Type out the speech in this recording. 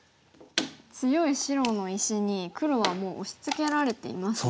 強い白の石に黒はもう押しつけられていますね。